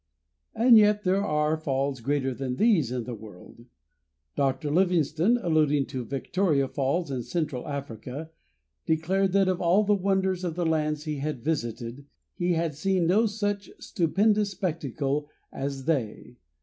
And yet there are falls greater than these in the world. Dr. Livingstone, alluding to Victoria Falls in Central Africa, declared that of all the wonders of the lands he had visited he had seen no such stupendous spectacle as they.